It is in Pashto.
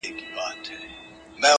• نه خندا د چا پر شونډو باندي گرځي -